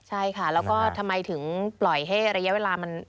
ใช่ค่ะแล้วก็ทำไมถึงปล่อยให้ระยะเวลามัน